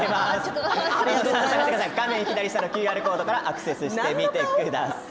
画面左下のＱＲコードからアクセスしてみてください。